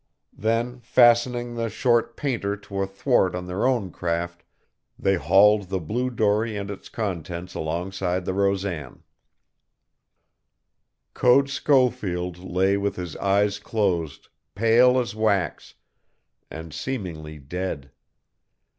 Then, fastening the short painter to a thwart in their own craft, they hauled the blue dory and its contents alongside the Rosan. Code Schofield lay with his eyes closed, pale as wax, and seemingly dead.